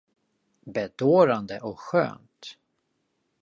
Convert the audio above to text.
Bedårande och skönt!